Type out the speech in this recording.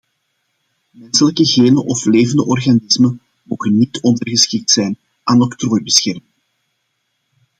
Menselijke genen of levende organismen mogen niet ondergeschikt zijn aan octrooibescherming.